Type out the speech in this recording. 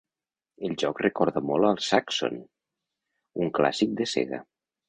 El joc recorda molt al Zaxxon, un clàssic de Sega.